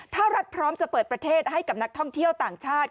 ถ้ารัฐพร้อมจะเปิดประเทศให้กับนักท่องเที่ยวต่างชาติ